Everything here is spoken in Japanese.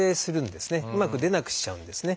うまく出なくしちゃうんですね。